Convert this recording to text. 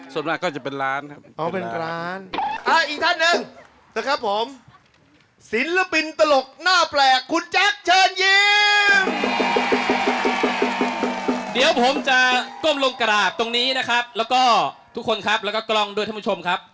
ส่วนมากก็จะเป็นร้านครับ